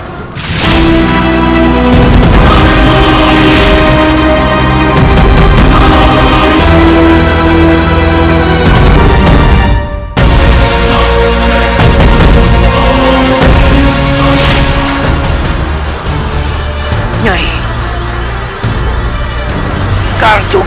sampai juga aku akan pulang